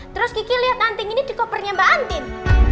terus kiki lihat anting ini di kopernya mbak antin